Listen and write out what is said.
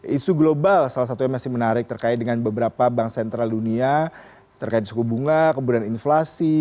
isu global salah satunya masih menarik terkait dengan beberapa bank sentral dunia terkait suku bunga kemudian inflasi